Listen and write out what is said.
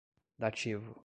dativo